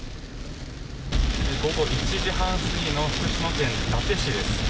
午後１時半過ぎの福島県伊達市です。